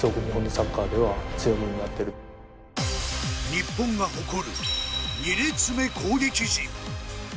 日本が誇る、２列目攻撃陣。